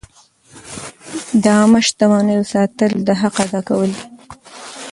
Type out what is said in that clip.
د عامه شتمنیو ساتل د حق ادا کول دي.